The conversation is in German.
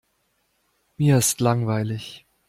Mir ist langweilig.